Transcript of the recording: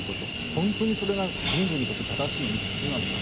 本当にそれが人類にとって正しい道筋なのか。